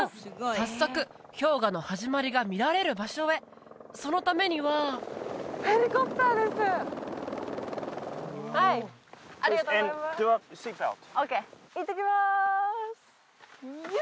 早速氷河の始まりが見られる場所へそのためにははいありがとうございますいってきます